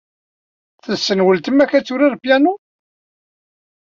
Tessen ultma k ad turar piano?